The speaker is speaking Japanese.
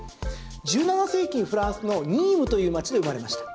１７世紀にフランスのニームという街で生まれました。